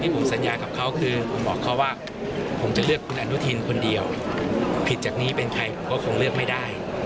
แต่เลือกไม่ได้